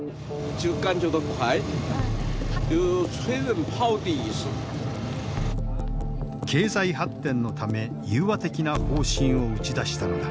経済発展のため融和的な方針を打ち出したのだ。